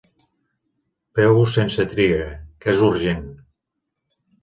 Feu-ho sense triga, que és urgent.